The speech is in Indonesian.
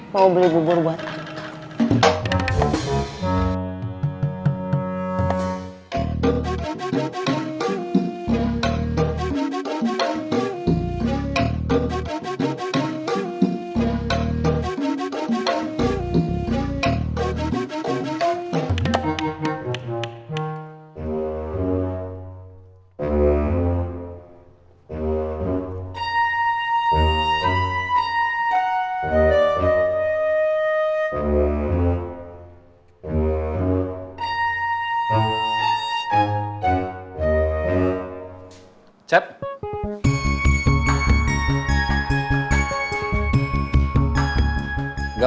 mau beli bubur buat anka